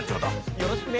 よろしくね！